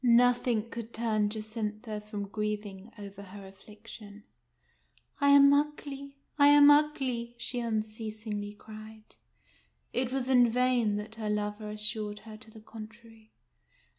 Nothing could turn Jacintha from grieving over her affliction. " I am ugly, I am ugly !" she unceasingly cried. It was in vain that her lover assured her to the contrary.